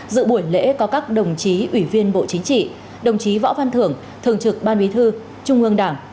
dự buổi lễ có các đồng chí ủy viên bộ chính trị đồng chí võ văn thưởng thường trực ban bí thư trung ương đảng